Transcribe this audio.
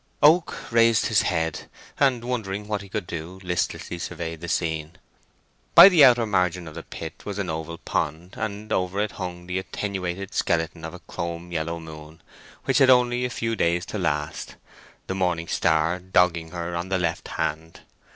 Oak raised his head, and wondering what he could do, listlessly surveyed the scene. By the outer margin of the Pit was an oval pond, and over it hung the attenuated skeleton of a chrome yellow moon which had only a few days to last—the morning star dogging her on the left hand.